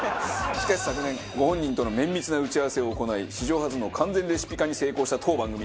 しかし昨年ご本人との綿密な打ち合わせを行い史上初の完全レシピ化に成功した当番組。